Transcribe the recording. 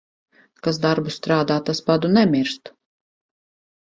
Kas darbu strādā, tas badu nemirst.